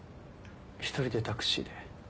一人でタクシーで。